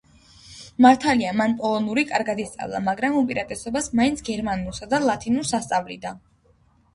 მართალია მან პოლონური კარგად ისწავლა, მაგრამ უპირატესობას მაინც გერმანულსა და ლათინურს ასწავლიდა.